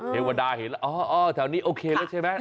เทวดาเห็นแล้วอ๋อแถวนี้โอเคแล้วใช่ไหม